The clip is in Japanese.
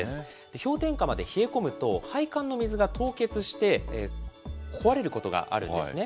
氷点下まで冷え込むと、配管の水が凍結して、壊れることがあるんですね。